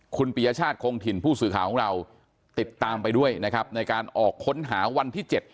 คุณปียชาติคงถิ่นผู้สื่อข่าวของเราติดตามไปด้วยนะครับในการออกค้นหาวันที่๗